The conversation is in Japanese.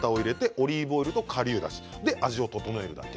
オリーブオイルとかりゅうだしで味を調えるだけ。